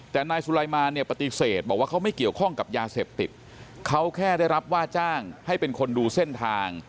แต่นายสุรายมาเนี่ยปฏิเสธบอกว่าเขาไม่เกี่ยวข้องกับยาเสพติดเขาแค่ได้รับว่าจ้างให้เป็นคนดูเส้นทาง